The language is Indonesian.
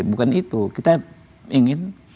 bukan itu kita ingin